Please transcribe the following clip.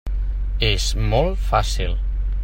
És molt fàcil.